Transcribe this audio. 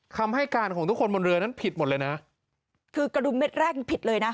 คำให้การของทุกคนบนเรือนั้นผิดหมดเลยนะคือกระดุมเม็ดแรกมันผิดเลยนะ